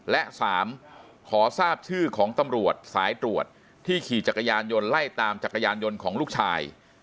และ๓ขอทราบชื่อของตำรวจสายตรวจที่ขี่จักรยานยนต์ไล่ตามจักรยานยนต์ของลูกชาย